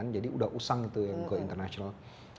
jadi sudah usang itu go international